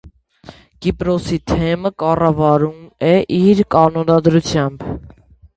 Կիպրոսի թեմը կառավարվում է իր կանոնադրությամբ։